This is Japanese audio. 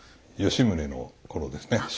吉宗のころですね